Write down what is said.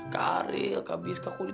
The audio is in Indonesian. kak ariel kak bias kak kuli